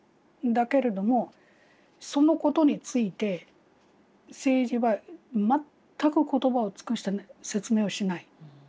だけれどもそのことについて政治は全く言葉を尽くして説明をしない。